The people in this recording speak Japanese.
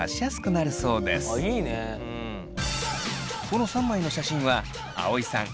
この３枚の写真は葵さん